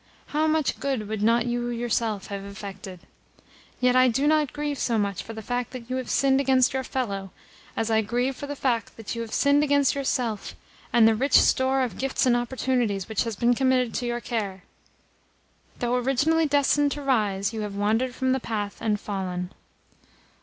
How much good would not you yourself have effected! Yet I do not grieve so much for the fact that you have sinned against your fellow as I grieve for the fact that you have sinned against yourself and the rich store of gifts and opportunities which has been committed to your care. Though originally destined to rise, you have wandered from the path and fallen."